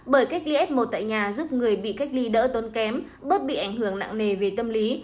bởi cách ly f một tại nhà giúp người bị cách ly đỡ tốn kém bớt bị ảnh hưởng nặng nề về tâm lý